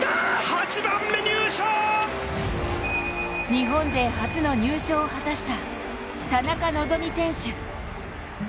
日本勢初の入賞を果たした田中希実選手。